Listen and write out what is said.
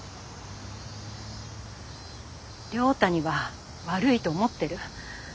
亮太には悪いと思ってる。